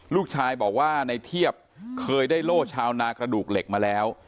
ลูกชายบอกว่าในเทียบเคยได้โล่ชาวนากระดูกเหล็กมาแล้ว